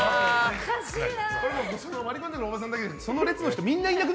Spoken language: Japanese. おかしいな。